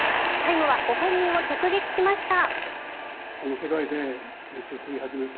「ＴＩＭＥ，」はご本人を直撃しました。